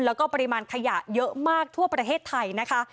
แล้วก็ปริมาณขยะเยอะมากทั่วประเทศไทยนะคะ